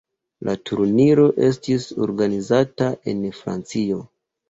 La turniro estis organizata en Francio.